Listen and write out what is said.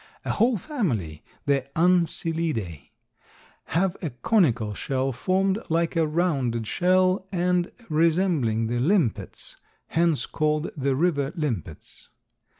A whole family, the Ancylidae, have a conical shell formed like a rounded shield, and resembling the limpets, hence called the river limpets.